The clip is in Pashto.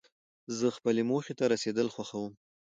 زه خپلې موخي ته رسېدل خوښوم.